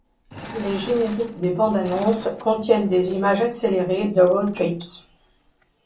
Les génériques des bandes-annonces contiennent des images accélérées de road-trips.